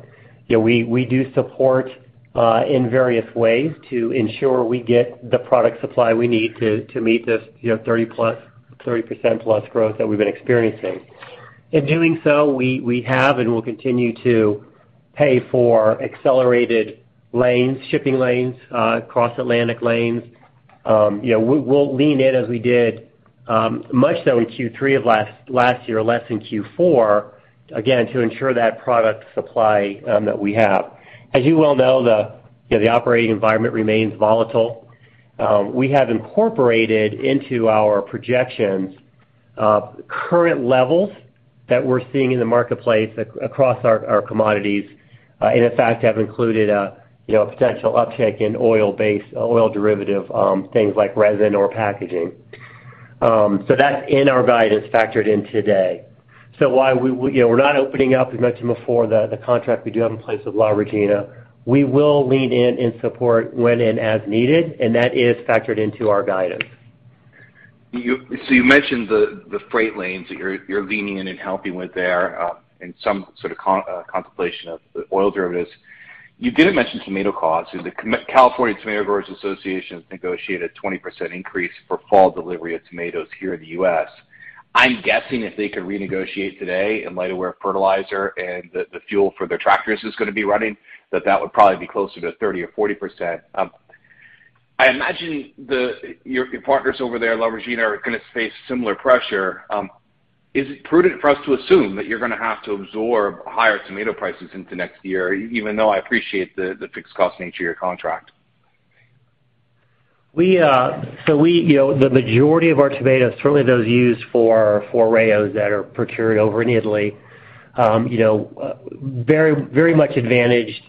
you know, we do support in various ways to ensure we get the product supply we need to meet this, you know, 30% plus growth that we've been experiencing. In doing so, we have and will continue to pay for accelerated lanes, shipping lanes, cross-Atlantic lanes. You know, we'll lean in as we did much so in Q3 of last year, less in Q4, again, to ensure that product supply that we have. As you well know, you know, the operating environment remains volatile. We have incorporated into our projections current levels that we're seeing in the marketplace across our commodities, and in fact, have included you know a potential uptick in oil-based, oil derivative things like resin or packaging. That's in our guidance factored in today. While we you know we're not opening up, as mentioned before, the contract we do have in place with La Regina, we will lean in and support when and as needed, and that is factored into our guidance. You mentioned the freight lanes that you're leaning in and helping with there, and some sort of contemplation of the oil derivatives. You didn't mention tomato costs. The California Tomato Growers Association has negotiated a 20% increase for fall delivery of tomatoes here in the U.S. I'm guessing if they could renegotiate today in light of where fertilizer and the fuel for their tractors is gonna be running, that would probably be closer to 30% or 40%. I imagine your partners over there at La Regina are gonna face similar pressure. Is it prudent for us to assume that you're gonna have to absorb higher tomato prices into next year, even though I appreciate the fixed cost nature of your contract? You know, the majority of our tomatoes, certainly those used for Rao's that are procured over in Italy, very much advantaged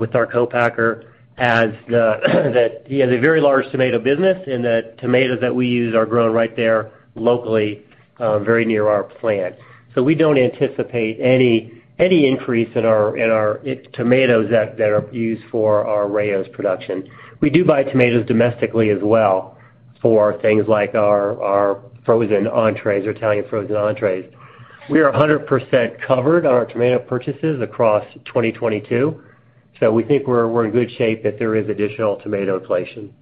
with our co-packer that he has a very large tomato business, and the tomatoes that we use are grown right there locally, very near our plant. We don't anticipate any increase in our tomatoes that are used for our Rao's production. We do buy tomatoes domestically as well for things like our frozen entrées, our Italian frozen entrées. We are 100% covered on our tomato purchases across 2022, so we think we're in good shape if there is additional tomato inflation.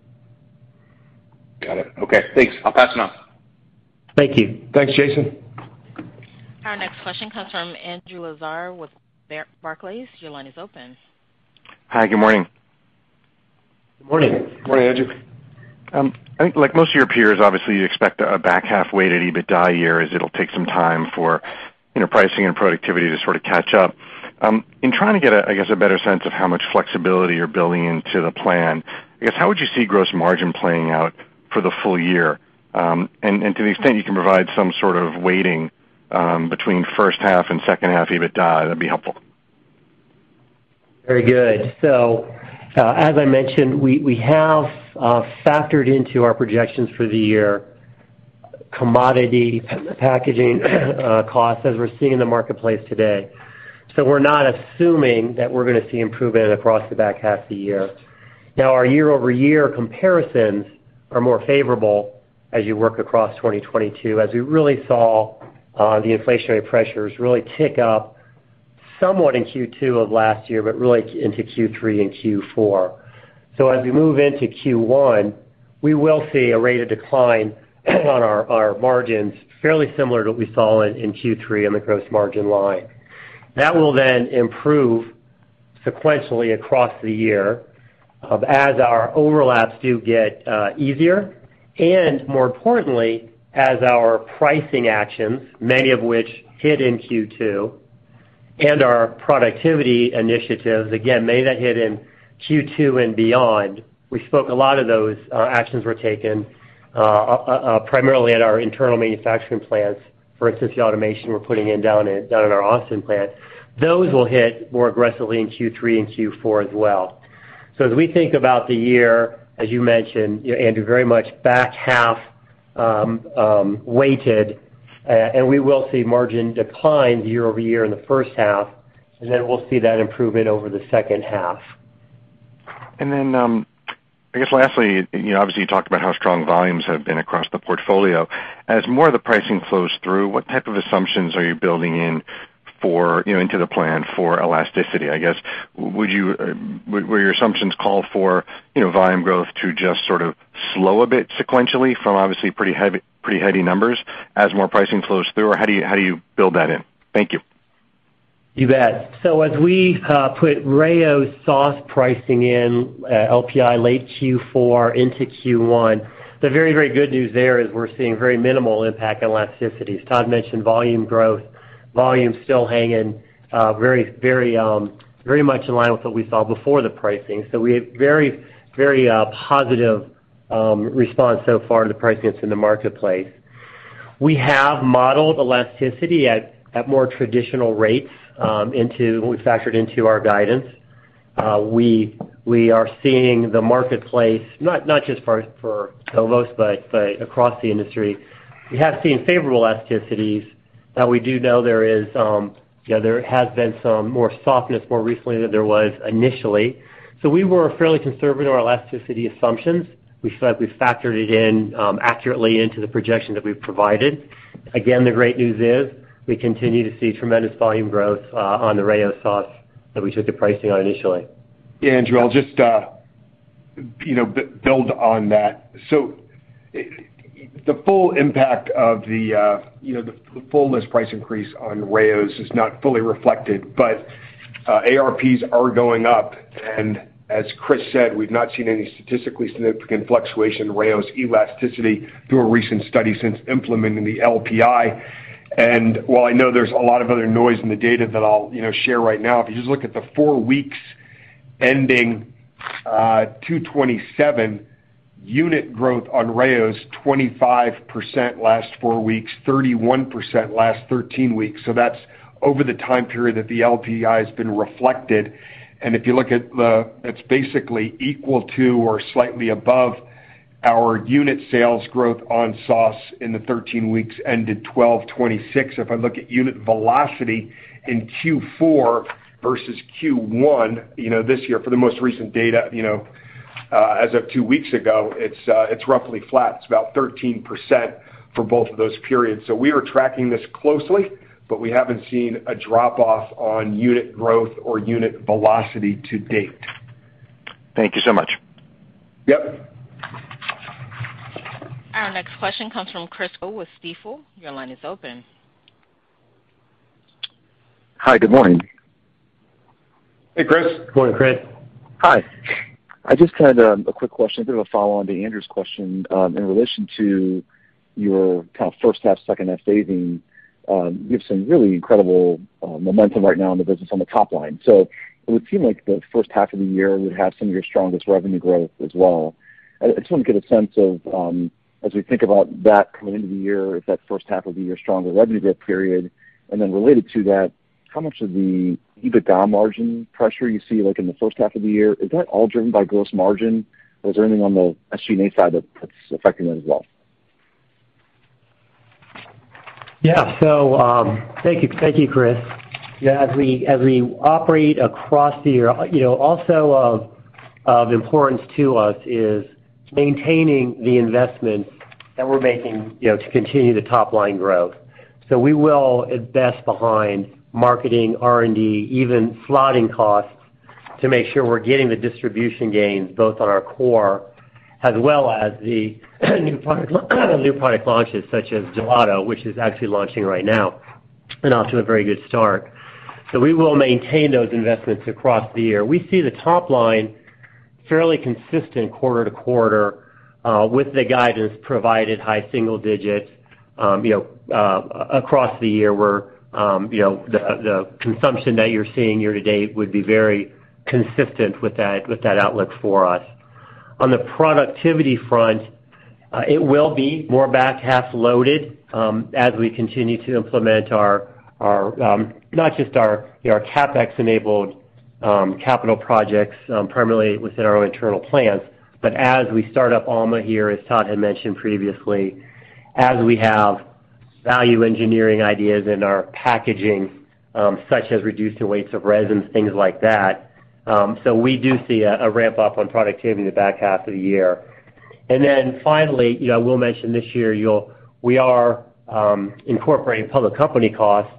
Got it. Okay. Thanks. I'll pass it on. Thank you. Thanks, Jason. Our next question comes from Andrew Lazar with Barclays. Your line is open. Hi. Good morning. Good morning. Good morning, Andrew. I think like most of your peers, obviously, you expect a back-half weighted EBITDA year as it'll take some time for, you know, pricing and productivity to sort of catch up. In trying to get a, I guess, a better sense of how much flexibility you're building into the plan, I guess, how would you see gross margin playing out for the full year? And to the extent you can provide some sort of weighting between first half and second half EBITDA, that'd be helpful. Very good. As I mentioned, we have factored into our projections for the year commodity packaging costs as we're seeing in the marketplace today. We're not assuming that we're gonna see improvement across the back half of the year. Now, our year-over-year comparisons are more favorable as you work across 2022, as we really saw the inflationary pressures really tick up somewhat in Q2 of last year, but really into Q3 and Q4. As we move into Q1, we will see a rate of decline on our margins fairly similar to what we saw in Q3 on the gross margin line. That will then improve sequentially across the year, as our overlaps do get easier, and more importantly, as our pricing actions, many of which hit in Q2, and our productivity initiatives, again, many that hit in Q2 and beyond. We spoke. A lot of those actions were taken primarily at our internal manufacturing plants. For instance, the automation we're putting in down at our Austin plant. Those will hit more aggressively in Q3 and Q4 as well. As we think about the year, as you mentioned, Andrew, very much back-half weighted, and we will see margin decline year-over-year in the first half, and then we'll see that improvement over the second half. I guess lastly, you know, obviously you talked about how strong volumes have been across the portfolio. As more of the pricing flows through, what type of assumptions are you building in for, you know, into the plan for elasticity? I guess, would your assumptions call for, you know, volume growth to just sort of slow a bit sequentially from obviously pretty heavy numbers as more pricing flows through? Or how do you build that in? Thank you. You bet. As we put Rao's sauce pricing in LPI late Q4 into Q1, the very good news there is we're seeing very minimal impact on elasticities. Todd mentioned volume growth. Volume still hanging very much in line with what we saw before the pricing. We have very positive response so far to the pricing that's in the marketplace. We have modeled elasticity at more traditional rates into our guidance. We are seeing the marketplace, not just for Sovos but across the industry. We have seen favorable elasticities. Now we do know there is you know, there has been some more softness more recently than there was initially. We were fairly conservative in our elasticity assumptions. We feel like we factored it in, accurately into the projection that we've provided. Again, the great news is we continue to see tremendous volume growth, on the Rao's sauce that we took the pricing on initially. Yeah, Andrew, I'll just, you know, build on that. The full impact of the, you know, the full list price increase on Rao's is not fully reflected, but ARPs are going up. As Chris said, we've not seen any statistically significant fluctuation in Rao's elasticity through a recent study since implementing the LPI. While I know there's a lot of other noise in the data that I'll, you know, share right now, if you just look at the four weeks ending 2/27, unit growth on Rao's, 25% last four weeks, 31% last 13 weeks. That's over the time period that the LPI has been reflected. If you look at the, it's basically equal to or slightly above our unit sales growth on sauce in the 13 weeks ended 12/26. If I look at unit velocity in Q4 versus Q1, you know, this year, for the most recent data, you know, as of two weeks ago, it's roughly flat. It's about 13% for both of those periods. We are tracking this closely, but we haven't seen a drop-off on unit growth or unit velocity to date. Thank you so much. Yep. Our next question comes from Chris Mandeville with Stifel. Your line is open. Hi, good morning. Hey, Chris. Good morning, Chris. Hi. I just had a quick question, a bit of a follow-on to Andrew's question, in relation to your kind of first half, second half shaping. You have some really incredible momentum right now in the business on the top line. It would seem like the first half of the year would have some of your strongest revenue growth as well. I just wanna get a sense of, as we think about that coming into the year, if that first half of the year is stronger revenue growth period. Related to that, how much of the EBITDA margin pressure you see, like, in the first half of the year, is that all driven by gross margin, or is there anything on the SG&A side that that's affecting that as well? Yeah. Thank you, Chris. Yeah, as we operate across the year, you know, also of importance to us is maintaining the investments that we're making, you know, to continue the top-line growth. We will invest behind marketing R&D, even slotting costs to make sure we're getting the distribution gains both on our core as well as the new product launches such as Gelato, which is actually launching right now and off to a very good start. We will maintain those investments across the year. We see the top line fairly consistent quarter to quarter, with the guidance provided high single digits, you know, across the year where, you know, the consumption that you're seeing year to date would be very consistent with that outlook for us. On the productivity front, it will be more back-half loaded, as we continue to implement our, not just our, you know, our CapEx-enabled capital projects permanently within our own internal plans, but as we start up Alma here, as Todd had mentioned previously, as we have value engineering ideas in our packaging, such as reducing weights of resins, things like that. So we do see a ramp up on productivity in the back half of the year. Then finally, you know, I will mention this year we are incorporating public company costs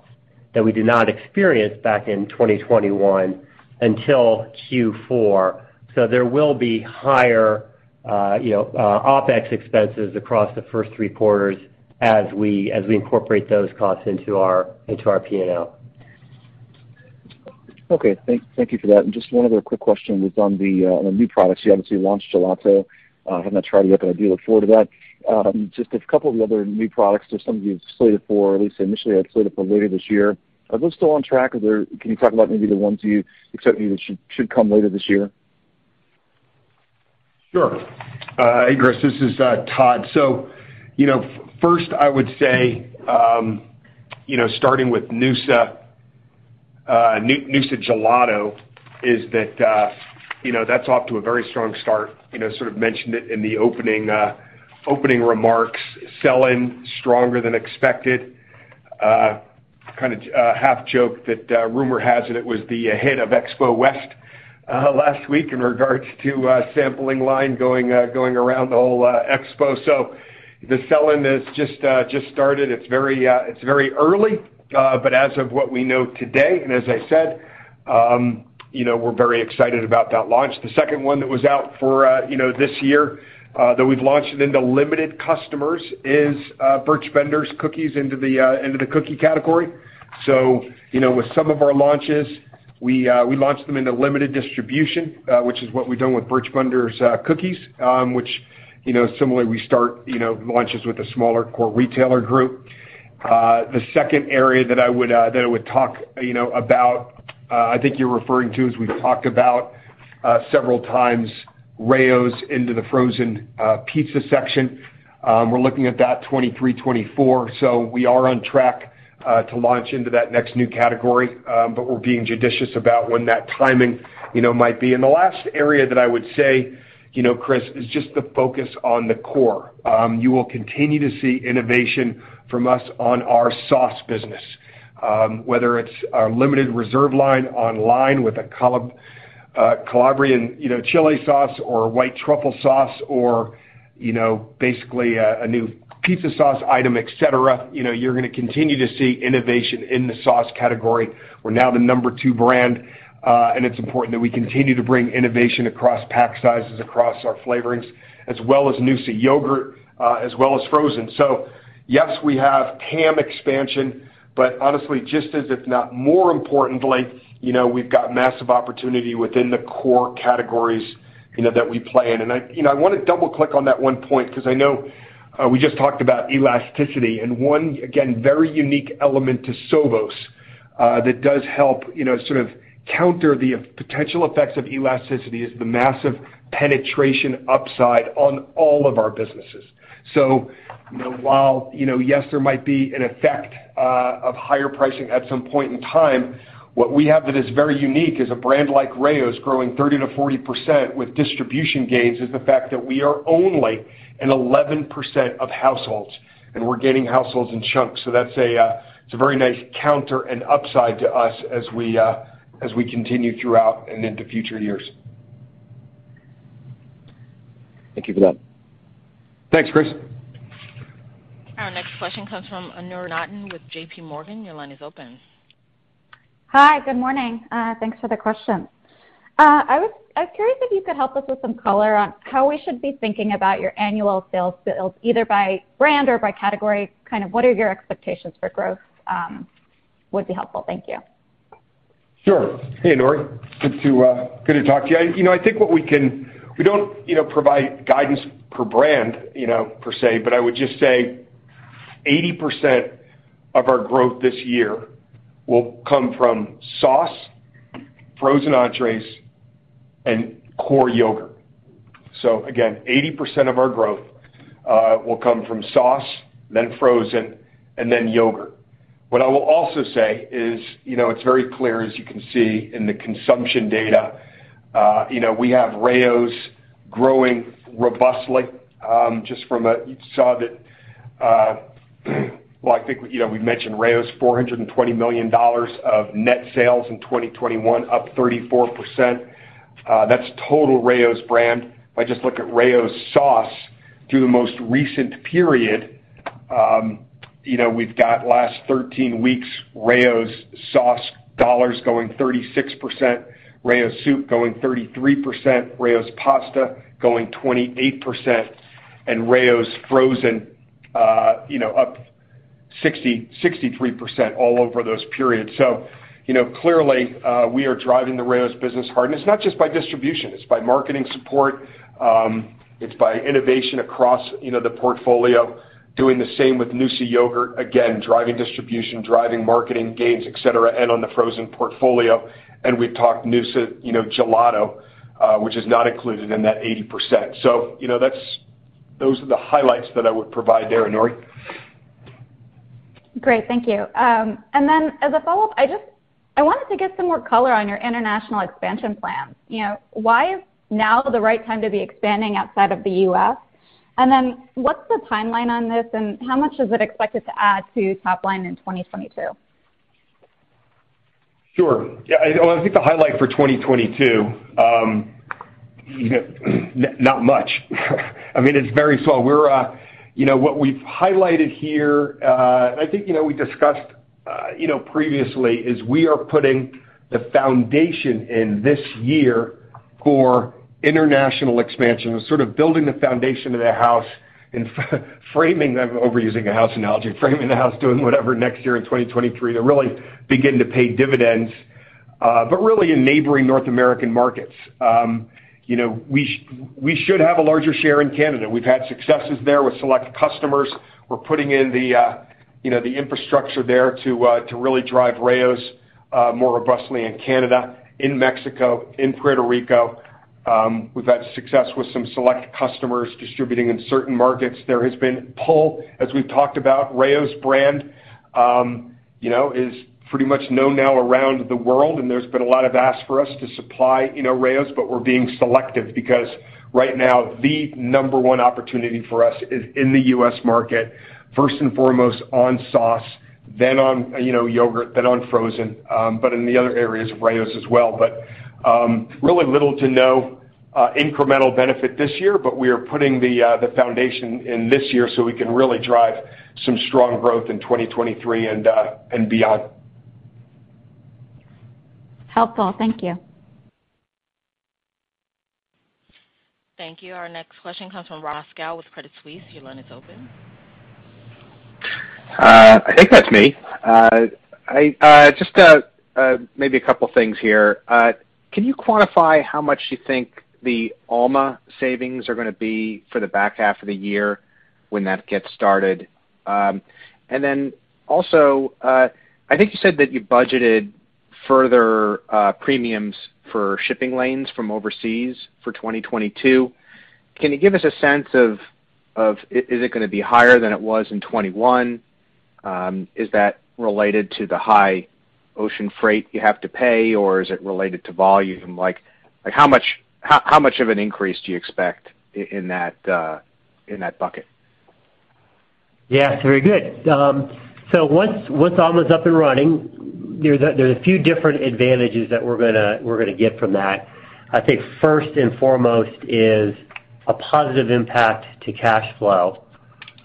that we did not experience back in 2021 until Q4. So there will be higher, you know, OpEx expenses across the first three quarters as we incorporate those costs into our P&L. Okay. Thank you for that. Just one other quick question was on the new products. You obviously launched Gelato. Haven't had a try yet, but I do look forward to that. Just a couple of the other new products. There's some that you had slated for, at least initially, later this year. Are those still on track? Can you talk about maybe the ones you expect maybe that should come later this year? Sure. Hey, Chris, this is Todd. You know, first I would say, you know, starting with noosa gelato is that, you know, that's off to a very strong start. You know, sort of mentioned it in the opening remarks, selling stronger than expected. Kinda half joke that, rumor has it was the hit of Expo West, last week in regards to, sampling line going around the whole expo. The selling has just started. It's very early. As of what we know today, and as I said, you know, we're very excited about that launch. The second one that was out for, you know, this year that we've launched into limited customers is Birch Benders cookies into the cookie category. You know, with some of our launches, we launched them into limited distribution, which is what we've done with Birch Benders cookies, which, you know, similarly, we start launches with a smaller core retailer group. The second area that I would talk, you know, about, I think you're referring to, as we've talked about several times, Rao's into the frozen pizza section. We're looking at that 2023-2024, so we are on track to launch into that next new category, but we're being judicious about when that timing, you know, might be. The last area that I would say, you know, Chris, is just the focus on the core. You will continue to see innovation from us on our sauce business. Whether it's our limited reserve line online with a Calabrian, you know, chili sauce or white truffle sauce or, you know, basically a new pizza sauce item, et cetera. You know, you're gonna continue to see innovation in the sauce category. We're now the number two brand, and it's important that we continue to bring innovation across pack sizes, across our flavorings, as well as noosa yogurt, as well as frozen. Yes, we have TAM expansion, but honestly, just as if not more importantly, you know, we've got massive opportunity within the core categories, you know, that we play in. I, you know, I wanna double click on that one point, 'cause I know we just talked about elasticity. One, again, very unique element to Sovos that does help, you know, sort of counter the potential effects of elasticity is the massive penetration upside on all of our businesses. You know, while, you know, yes, there might be an effect of higher pricing at some point in time, what we have that is very unique is a brand like Rao's growing 30%-40% with distribution gains, is the fact that we are only in 11% of households, and we're gaining households in chunks. That's a very nice counter and upside to us as we continue throughout and into future years. Thank you for that. Thanks, Chris. Our next question comes from Ken Goldman with JPMorgan. Your line is open. Hi, good morning. Thanks for the question. I was curious if you could help us with some color on how we should be thinking about your annual sales builds, either by brand or by category, kind of what are your expectations for growth, would be helpful. Thank you. Sure. Hey, Ken Goldman. Good to talk to you. You know, I think we don't, you know, provide guidance per brand, you know, per se, but I would just say 80% of our growth this year will come from sauce, frozen entrées, and core yogurt. Again, 80% of our growth will come from sauce, then frozen, and then yogurt. What I will also say is, you know, it's very clear, as you can see in the consumption data, you know, we have Rao's growing robustly, just from a subset, well, I think, you know, we've mentioned Rao's $420 million of net sales in 2021, up 34%. That's total Rao's brand. If I just look at Rao's sauce through the most recent period, you know, we've got last 13 weeks, Rao's sauce dollars going 36%, Rao's soup going 33%, Rao's pasta going 28%, and Rao's frozen up 63% all over those periods. You know, clearly, we are driving the Rao's business hard. It's not just by distribution, it's by marketing support, it's by innovation across, you know, the portfolio, doing the same with noosa yogurt. Again, driving distribution, driving marketing gains, et cetera, and on the frozen portfolio. We've talked noosa, you know, gelato, which is not included in that 80%. You know, those are the highlights that I would provide there, Ken Goldman. Great. Thank you. As a follow-up, I wanted to get some more color on your international expansion plans. You know, why is now the right time to be expanding outside of the U.S.? What's the timeline on this, and how much is it expected to add to top line in 2022? Sure. Yeah, well, I think the highlight for 2022, not much. I mean, it's very slow. We're what we've highlighted here, and I think we discussed previously, is we are putting the foundation in this year for international expansion. We're sort of building the foundation of the house and framing, I'm overusing a house analogy, framing the house, doing whatever next year in 2023 to really begin to pay dividends. Really in neighboring North American markets. We should have a larger share in Canada. We've had successes there with select customers. We're putting in the infrastructure there to really drive Rao's more robustly in Canada, in Mexico, in Puerto Rico. We've had success with some select customers distributing in certain markets. There has been pull, as we've talked about Rao's brand, you know, is pretty much known now around the world, and there's been a lot of asks for us to supply, you know, Rao's, but we're being selective. Because right now, the number one opportunity for us is in the U.S. market, first and foremost, on sauce, then on, you know, yogurt, then on frozen, but in the other areas of Rao's as well. Really little to no incremental benefit this year, but we are putting the foundation in this year, so we can really drive some strong growth in 2023 and beyond. Helpful. Thank you. Thank you. Our next question comes from Robert Moskow with Credit Suisse. Your line is open. I think that's me. I just maybe a couple things here. Can you quantify how much do you think the Alma savings are gonna be for the back half of the year when that gets started? Then also, I think you said that you budgeted further premiums for shipping lanes from overseas for 2022. Can you give us a sense of is it gonna be higher than it was in 2021? Is that related to the high Ocean freight you have to pay or is it related to volume? Like, how much of an increase do you expect in that bucket? Yeah. Very good. Once Alma's up and running, there's a few different advantages that we're gonna get from that. I think first and foremost is a positive impact to cash flow.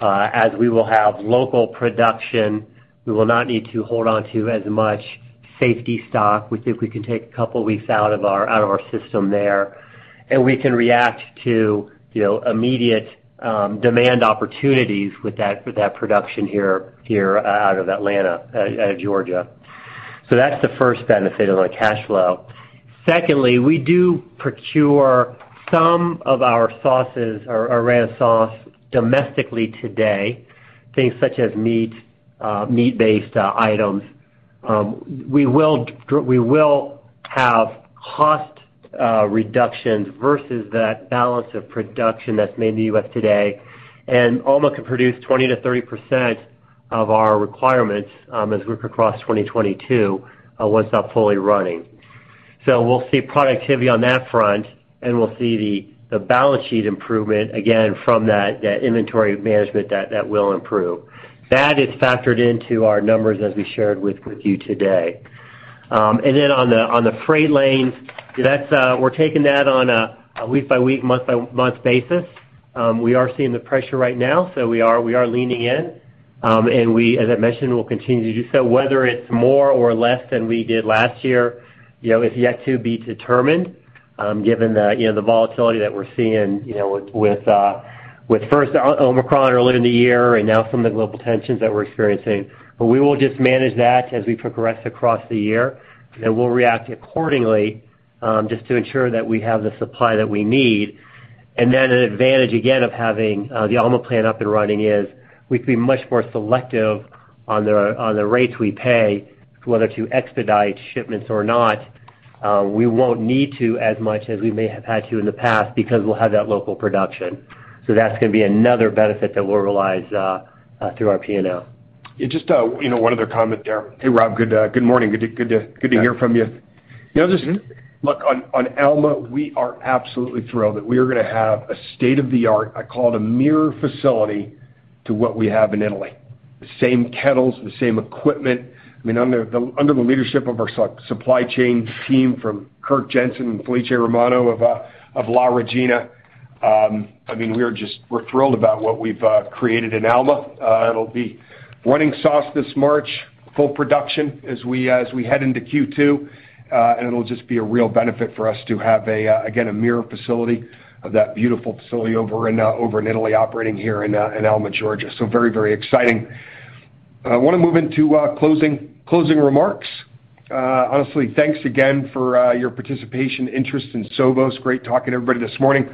As we will have local production, we will not need to hold on to as much safety stock. We think we can take a couple weeks out of our system there, and we can react to, you know, immediate demand opportunities with that production here out of Atlanta, out of Georgia. That's the first benefit of our cash flow. Secondly, we do procure some of our sauces, our ranch sauce domestically today, things such as meat-based items. We will have cost reductions versus that balance of production that's made in the U.S. today. Alma can produce 20%-30% of our requirements, as we work across 2022, once up fully running. We'll see productivity on that front, and we'll see the balance sheet improvement again from that inventory management that will improve. That is factored into our numbers as we shared with you today. Then on the freight lanes, that's we're taking that on a week by week, month by month basis. We are seeing the pressure right now, so we are leaning in. We, as I mentioned, we'll continue to do so. Whether it's more or less than we did last year, you know, is yet to be determined, given the, you know, the volatility that we're seeing, you know, with first Omicron earlier in the year and now some of the global tensions that we're experiencing. We will just manage that as we progress across the year, and we'll react accordingly, just to ensure that we have the supply that we need. An advantage, again, of having the Alma plant up and running is we can be much more selective on the rates we pay whether to expedite shipments or not. We won't need to as much as we may have had to in the past because we'll have that local production. That's gonna be another benefit that we'll realize through our P&L. Yeah, just, you know, one other comment there. Hey, Rob. Good morning. Good to hear from you. You know, just look, on Alma, we are absolutely thrilled that we are gonna have a state-of-the-art, I call it a mirror facility to what we have in Italy. The same kettles and the same equipment. I mean, under the leadership of our supply chain team from Kirk Jensen and Felice Romano of La Regina. I mean, we are thrilled about what we've created in Alma. It'll be running sauce this March, full production as we head into Q2. It'll just be a real benefit for us to have, again, a mirror facility of that beautiful facility over in Italy operating here in Alma, Georgia. Very exciting. I wanna move into closing remarks. Honestly, thanks again for your participation interest in Sovos. Great talking to everybody this morning.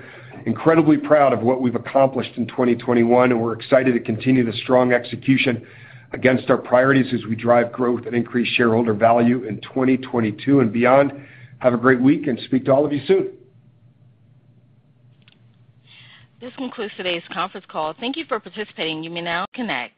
Incredibly proud of what we've accomplished in 2021, and we're excited to continue the strong execution against our priorities as we drive growth and increase shareholder value in 2022 and beyond. Have a great week, and speak to all of you soon. This concludes today's conference call. Thank you for participating. You may now disconnect.